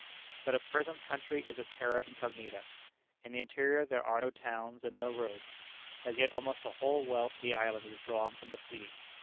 But at present the country is a terra incognita. In the interior there are no towns and no roads. As yet almost the whole wealth of the island is drawn from the sea.